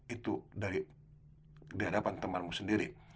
itu dari dihadapan temanmu sendiri